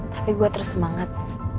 tapi gue terus semangat